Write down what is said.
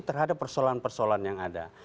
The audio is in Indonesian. terhadap persoalan persoalan yang ada